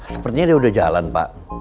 sepertinya dia udah jalan pak